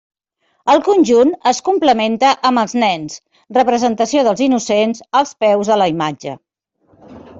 El conjunt es complementa amb els nens, representació dels innocents, als peus de la imatge.